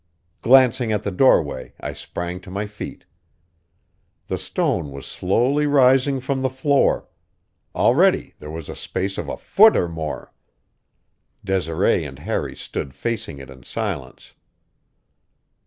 Glancing at the doorway, I sprang to my feet. The stone was slowly rising from the floor; already there was a space of a foot or more. Desiree and Harry stood facing it in silence.